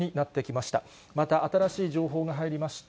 また新しい情報が入りました。